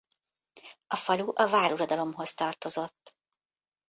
A falu a váruradalomhoz tartozott.